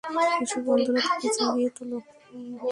এসো বন্ধুরা, তাকে জাগিয়ে তোলো।